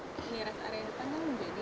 res area yang depan yang belum jadi